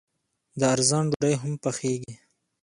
د ارزن ډوډۍ هم پخیږي.